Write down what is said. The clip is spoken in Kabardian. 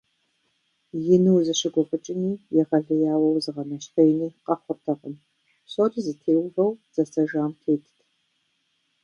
Ину узыщыгуфӏыкӏыни егъэлеяуэ узыгъэнэщхъеини къэхъуртэкъым, псори зытеувэу зэсэжам тетт.